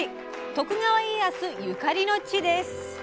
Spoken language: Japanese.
徳川家康ゆかりの地です。